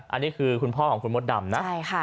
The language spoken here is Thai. อันนี้คือคุณพ่อของคุณมดดำนะใช่ค่ะ